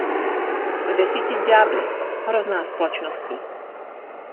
S desíti ďábly — hrozná společnosti!